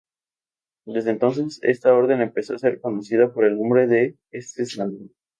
Desde entonces esta orden empezó a ser conocida por el nombre de este santo.